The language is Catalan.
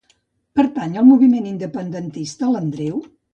Pertany al moviment independentista l'Andreu?